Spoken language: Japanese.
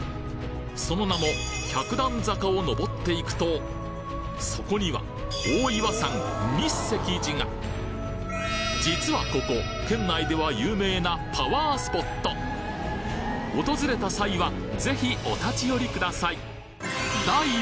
その名も百段坂を登っていくとそこには実はここ県内では有名な訪れた際はぜひお立ち寄りください